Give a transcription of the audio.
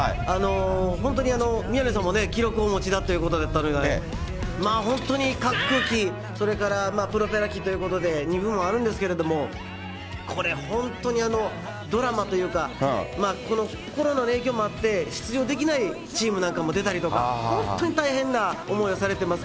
本当に宮根さんも記録をお持ちだということで、本当に滑空機、それからプロペラ機ということでもあるんですけど、これ、本当にドラマというか、このコロナの影響もあって出場できないチームなんかも出たりとか、本当に大変な思いをされてます。